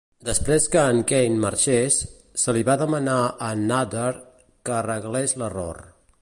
Després que en Kaye marxés, se li va demanar a en Nather que arreglés l'error.